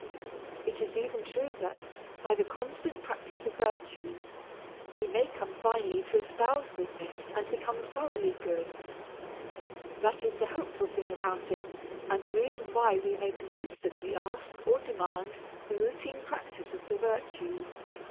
It is even true that, by the constant practice of virtues, he may come finally to espouse goodness and become thoroughly good. That is the hopeful thing about it and the reason why we may consistently ask or demand the routine practice of the virtues.